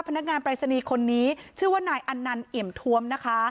พนักงานปรายศนีย์คนนี้ชื่อว่านายอันนันเอี่ยมทวมนะคะ